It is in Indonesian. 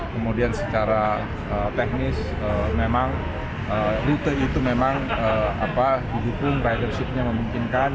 kemudian secara teknis memang rute itu memang didukung ridershipnya memungkinkan